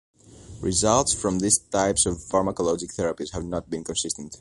Results from these types of pharmacologic therapies have not been consistent.